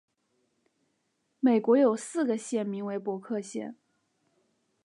美国有四个县名为伯克县。